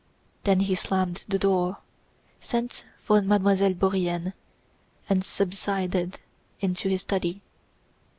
Then he slammed the door, sent for Mademoiselle Bourienne, and subsided into his study.